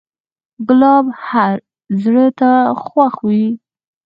ګلاب هر زړه ته خوښ وي.